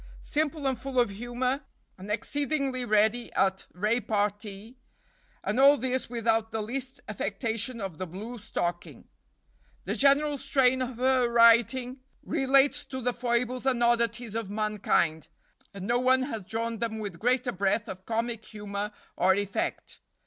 Simple and full of humor, and exceedingly ready at repartee; and all this without the least affectation of the blue stocking. The general strain of her writing relates to the foibles and oddities of mankind, and no one has drawn them with greater breadth of comic humor or effect.